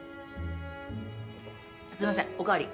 すいませんお代わり。